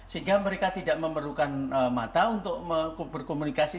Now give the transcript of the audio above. sehingga mereka tidak memerlukan mata untuk berkomunikasi